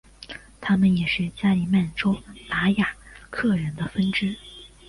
他们也是加里曼丹达雅克人的分支。